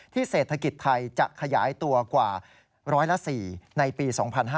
ที่เศรษฐกิจไทยจะขยายตัวกว่า๑๐๐ละ๔ในปี๒๕๖๑